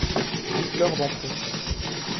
Dites-leur d’entrer.